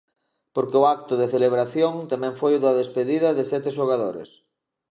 Porque o acto de celebración tamén foi o da despedida de sete xogadores.